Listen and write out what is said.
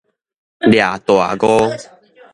掠大誤